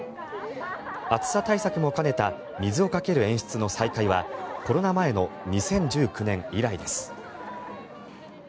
暑さ対策も兼ねた水をかける演出の再開はコロナ前の２０１９年以来です。